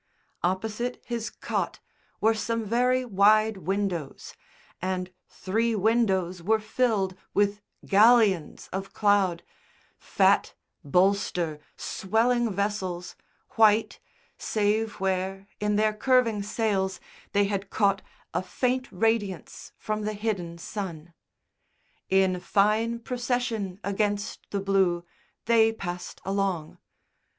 Opposite his cot were some very wide windows, and three windows were filled with galleons of cloud fat, bolster, swelling vessels, white, save where, in their curving sails, they had caught a faint radiance from the hidden sun. In fine procession, against the blue, they passed along.